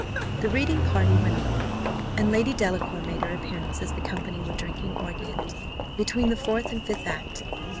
The reading party went on, and Lady Delacour made her appearance as the company were drinking orgeat, between the fourth and fifth act.